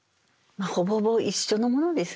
ほぼほぼ一緒のものですね。